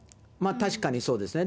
確かにそうですね。